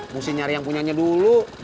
mesti nyari yang punyanya dulu